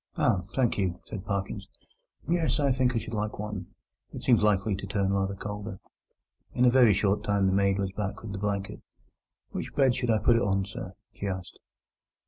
"Ah! thank you," said Parkins. "Yes, I think I should like one. It seems likely to turn rather colder." In a very short time the maid was back with the blanket. "Which bed should I put it on, sir?" she asked.